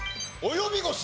及び腰。